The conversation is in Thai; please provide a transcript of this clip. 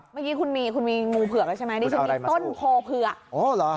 เมื่อกี้คุณมีงูเผือกแล้วใช่ไหมดิฉันมีต้นโพเผือก